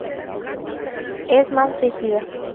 Es más rígida.